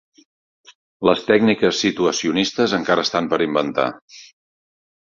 Les tècniques situacionistes encara estan per inventar.